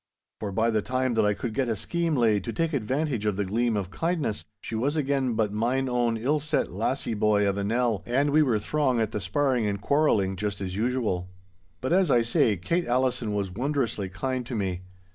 For by the time that I could get a scheme laid to take advantage of the gleam of kindness, she was again but mine own ill set lassie boy of a Nell, and we were throng at the sparring and quarrelling just as usual. But, as I say, Kate Allison was wondrously kind to me.